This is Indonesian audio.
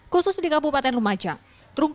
khusus di kabupaten lumajang